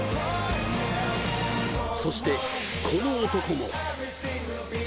そしてこの男も。